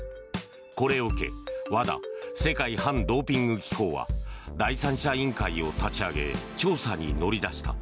これを受け、ＷＡＤＡ・世界反ドーピング機構は第三者委員会を立ち上げ調査に乗り出した。